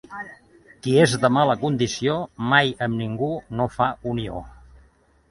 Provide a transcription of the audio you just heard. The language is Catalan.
Qui és de mala condició mai amb ningú no fa unió.